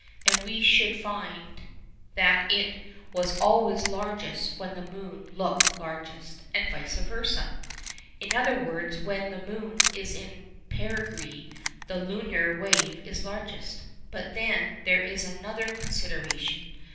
And we should find that it was always largest when the moon looked largest, and vice versâ. In other words, when the moon is in perigee the lunar wave is largest. But then there is another consideration.